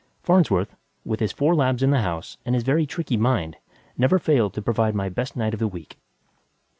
Farnsworth, with his four labs in the house and his very tricky mind, never failed to provide my best night of the week.